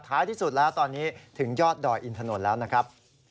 ที่สุดแล้วตอนนี้ถึงยอดดอยอินถนนแล้วนะครับ